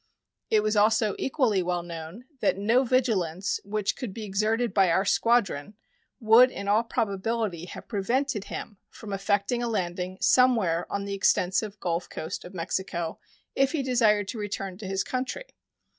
It was also equally well known that no vigilance which could be exerted by our squadron would in all probability have prevented him from effecting a landing somewhere on the extensive Gulf coast of Mexico if he desired to return to his country.